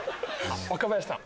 若林さん。